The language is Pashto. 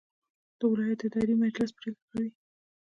د ولایت اداري مجلس پریکړې کوي